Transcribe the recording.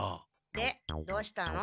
でどうしたの？